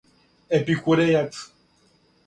епикурејац